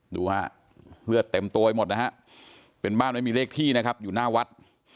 ดูฮะเลือดเต็มตัวไปหมดนะฮะเป็นบ้านไม่มีเลขที่นะครับอยู่หน้าวัด